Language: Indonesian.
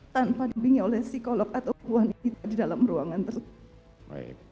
tanpa dibingin oleh psikolog atau perempuan yang di dalam ruangan itu